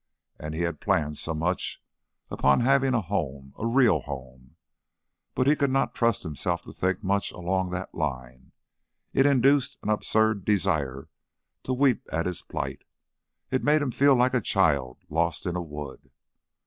And he had planned so much upon having a home, a real home But he could not trust himself to think much along that line; it induced an absurd desire to weep at his plight. It made him feel like a child lost in a wood.